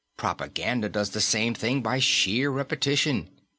Propaganda does the same thing by sheer repetition.